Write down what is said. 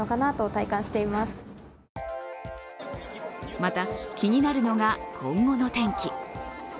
また、気になるのが今後の天気。